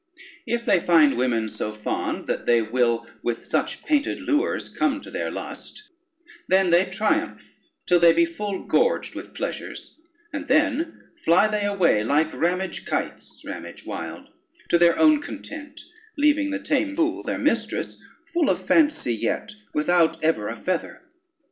If they find women so fond, that they will with such painted lures come to their lust, then they triumph till they be full gorged with pleasures; and then fly they away, like ramage kites, to their own content, leaving the tame fool, their mistress, full of fancy, yet without even a feather.